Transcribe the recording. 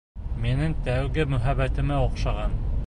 Минең тәүге мөхәббәтемә оҡшаған.